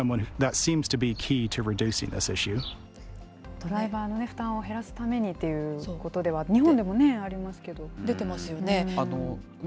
ドライバーの負担を減らすためにということでは、日本でもね、出てますよね。